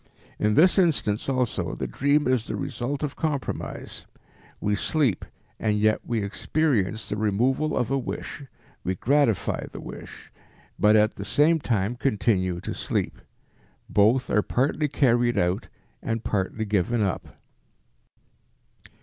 In this instance also the dream is the result of compromise. We sleep, and yet we experience the removal of a wish; we gratify the wish, but at the same time continue to sleep. Both are partly carried out and partly given up.